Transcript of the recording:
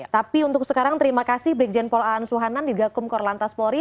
tapi untuk sekarang terima kasih brigjen paul a ansuhanan di gakum koral lantas polri